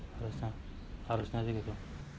harusnya harusnya sih gitu